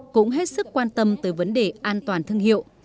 cũng hết sức quan tâm tới vấn đề an toàn thương hiệu